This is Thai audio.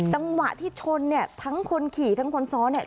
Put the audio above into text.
ต่างวะที่ชนทั้งคนขี่ทั้งคนซ้อน